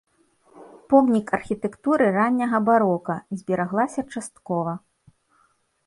Помнік архітэктуры ранняга барока, збераглася часткова.